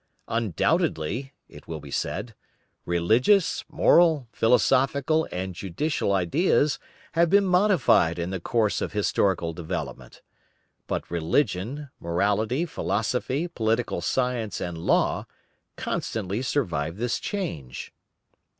"Undoubtedly," it will be said, "religious, moral, philosophical and juridical ideas have been modified in the course of historical development. But religion, morality philosophy, political science, and law, constantly survived this change."